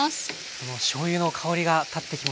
このしょうゆの香りが立ってきました。